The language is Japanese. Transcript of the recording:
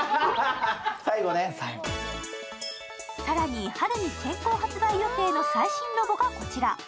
更に、春に先行発売予定の最新ロボがこちら。